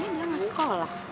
berarti dia gak sekolah